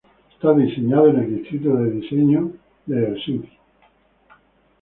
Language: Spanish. Está situado en el Distrito de Diseño de Helsinki.